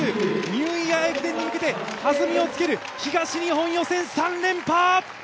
ニューイヤー駅伝に向けて弾みをつける東日本予選、３連覇！